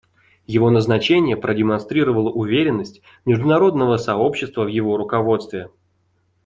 Его назначение продемонстрировало уверенность международного сообщества в его руководстве.